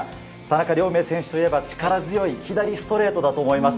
亮明選手といえば力強い左ストレートだと思います。